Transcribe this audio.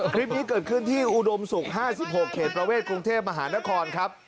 คลิปนี้เกิดขึ้นที่อุดมศุกร์๕๖เขตประเวทกรุงเทพมหานครครับ